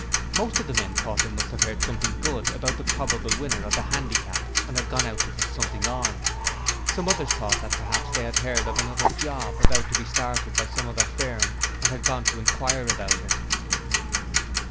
Most of the men thought they must have heard something good about the probable winner of the Handicap and had gone to put something on. Some others thought that perhaps they had heard of another 'job' about to be started by some other firm and had gone to inquire about it.